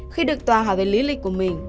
khi được tòa hỏi về lý lịch của mình